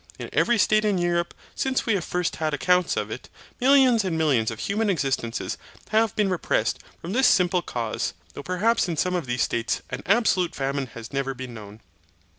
In every state in Europe, since we have first had accounts of it, millions and millions of human existences have been repressed from this simple cause; though perhaps in some of these states an absolute famine has never been known.